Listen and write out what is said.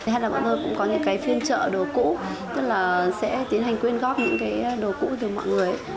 hay là mọi người cũng có những cái phiên trợ đồ cũ tức là sẽ tiến hành quyên góp những cái đồ cũ từ mọi người